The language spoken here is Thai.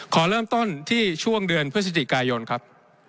ขอเริ่มต้นที่ช่วงเดือนพฤศจิกายนครับ